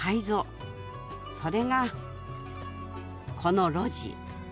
それがこの路地！